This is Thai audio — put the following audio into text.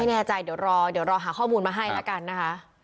ไม่แน่ใจเดี๋ยวรอหาข้อมูลมาให้แล้วกันนะฮะ